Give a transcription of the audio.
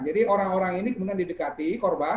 jadi orang orang ini kemudian didekati korban